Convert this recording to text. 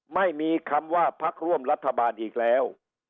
ไม่มีคำว่าพักร่วมรัฐบาลอีกแล้ว